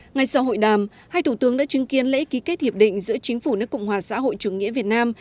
ngay sau hội đàm hai thủ tướng đã chứng kiến lễ ký kết hiệp định giữa chính phủ nước cộng hòa xã hội chủ nghĩa việt nam